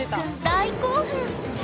大興奮！